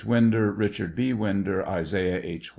Winder, Kichard B. Winder, Isaiah H.